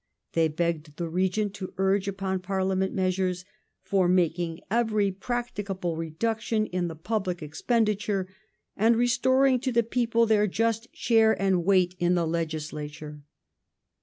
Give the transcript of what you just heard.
They begged the Regent to urge upon Parlia ment measures " for making every practicable reduction in the public expenditure and restoring to the people their just share and weight in the Legislature".